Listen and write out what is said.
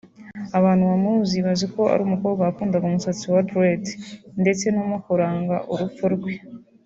Abantu bamuzi bazi ko ari umukobwa wakundaga umusatsi wa dread ndetse no mu kuranga urupfu rwe